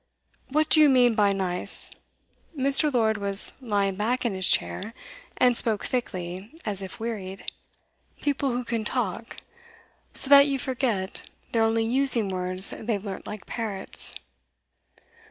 'What do you mean by "nice"?' Mr. Lord was lying back in his chair, and spoke thickly, as if wearied. 'People who can talk so that you forget they're only using words they've learnt like parrots?